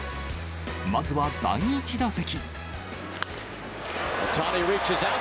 まずは第１打席。